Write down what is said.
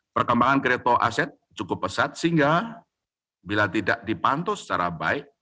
perkembangan kripto aset cukup pesat sehingga bila tidak dipantau secara baik